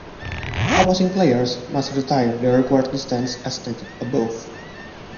Opposing players must retire the required distance as stated above.